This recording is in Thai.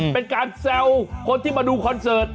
เป็นการแซวคนที่มาดูคอนเสิร์ต